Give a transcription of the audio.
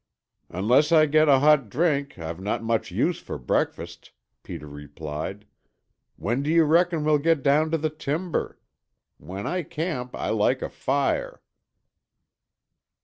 "Unless I get a hot drink, I've not much use for breakfast," Peter replied. "When do you reckon we'll get down to the timber? When I camp I like a fire."